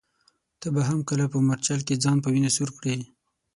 ته به هم کله په مورچل کي ځان په وینو سور کړې ؟